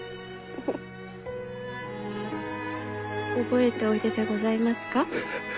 覚えておいででございますか？